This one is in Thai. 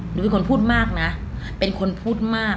หนูเป็นคนพูดมากนะเป็นคนพูดมาก